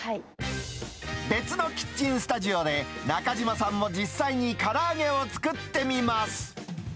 別のキッチンスタジオで、中島さんも実際にから揚げを作ってみます。